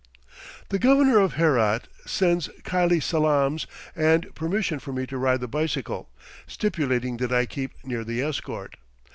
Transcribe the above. The Governor of Herat sends "khylie salaams" and permission for me to ride the bicycle, stipulating that I keep near the escort.